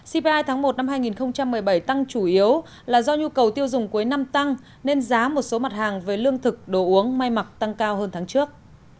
cpi tháng một năm hai nghìn một mươi bảy tăng chủ yếu là do nhu cầu tiêu dùng cuối năm tăng nên giá một số mặt hàng với lương thực đồ uống may mặc tăng cao hơn tháng trước